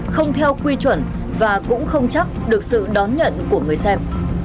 không theo quy chuẩn và cũng không chắc được sự đón nhận của người xem